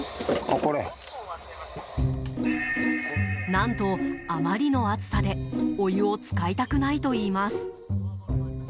何とあまりの暑さでお湯を使いたくないといいます。